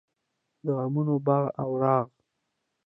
د غمونو باغ او راغ.